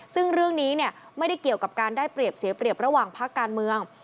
ซึ่งเรื่องนี้ไม่ได้เกี่ยวกับการได้เปรียบเสียเปรียบระหว่างภาคการเมือง